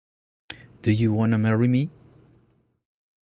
Do You Wanna Marry Me?